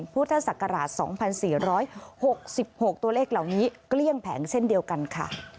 พุทธศักราช๒๔๖๖ตัวเลขเหล่านี้เกลี้ยงแผงเช่นเดียวกันค่ะ